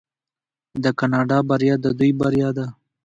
د کاناډا بریا د دوی بریا ده.